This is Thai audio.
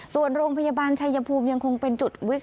ส่วนโรงพยาบาลชายภูมิยังคงเป็นจุดวิกฤต